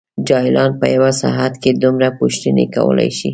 جاهلان په یوه ساعت کې دومره پوښتنې کولای شي.